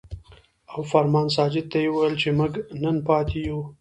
او فرمان ساجد ته يې وويل چې مونږ نن پاتې يو ـ